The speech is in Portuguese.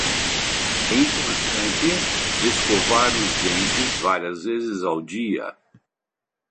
É importante escovar os dentes várias vezes ao dia.